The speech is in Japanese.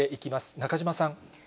中島さん。